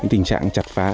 tình trạng chặt phá